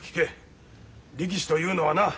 力士というのはな